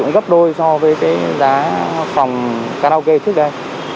sử dụng gấp đôi so với cái giá phòng karaoke trước đây